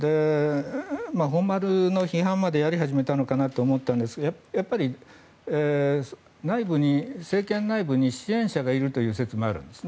本丸の批判までやり始めたのかなと思ったんですが政権内部に支援者がいるという説もあるんです。